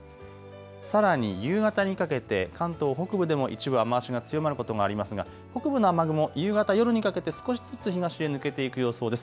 さらに夕方にかけて、関東北部でも一部、雨足が強まることがありますが、北部の雨雲、夕方、夜にかけて少しずつ東へ抜けていく予想です。